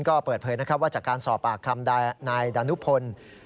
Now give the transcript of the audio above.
ก็เปิดเผยนะครับว่าจากการสอบปากคำนายดานุพล